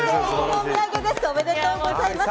おめでとうございます。